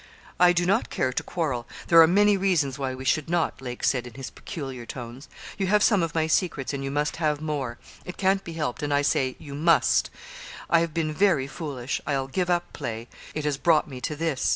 'I do not care to quarrel; there are many reasons why we should not,' Lake said in his peculiar tones. 'You have some of my secrets, and you must have more; it can't be helped, and, I say, you must. I've been very foolish. I'll give up play. It has brought me to this.